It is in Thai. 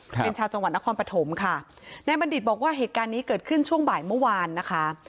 เป็นชาวจังหวัดนครปฐมค่ะนายบัณฑิตบอกว่าเหตุการณ์นี้เกิดขึ้นช่วงบ่ายเมื่อวานนะคะ